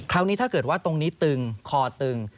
คราวนี้ถ้าเกิดว่าตรงนี้ตึงคอตึง